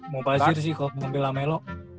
mau bazir sih kalo ngambil lamelo